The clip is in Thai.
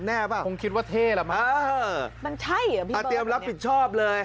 แน่ป่ะแน่ป่ะคงคิดว่าเท่ละมากเออมันใช่อ่ะพี่เบิ้ลเอาเตรียมรับผิดชอบเลย